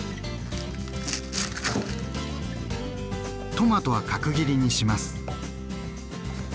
トマトは角切りにします。